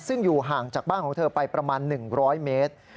ซึ่งอยู่ห่างจากบ้านของเธอไปประมาณ๑๐๐เมตร